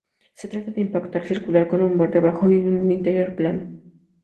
Se trata de un impacto circular, con un borde bajo y un interior plano.